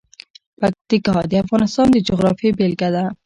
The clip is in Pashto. پکتیکا د افغانستان د جغرافیې بېلګه ده.